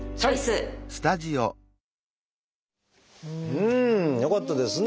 うん！よかったですね